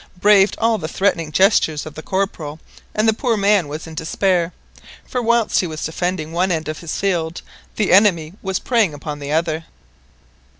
braved all the threatening gestures of the Corporal, and the poor man was in despair, for whilst he was defending one end of his field the enemy was preying upon the other.